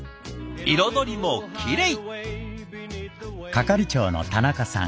彩りもきれい！